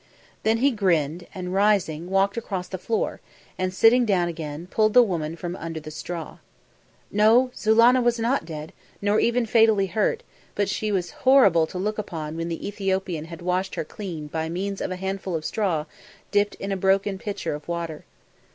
Then he grinned and, rising, walked across the floor, and, sitting down again, pulled the woman from under the straw. No! Zulannah was not dead, nor even fatally hurt, but she was horrible to look upon when the Ethiopian had washed her clean by means of a handful of straw dipped in a broken pitcher of water.